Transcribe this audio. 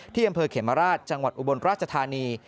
อำเภอเขมราชจังหวัดอุบลราชธานี